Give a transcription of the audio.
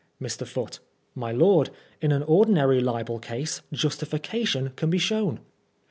Mr. Foote : My lord, in an ordinary libel case justification can be shown.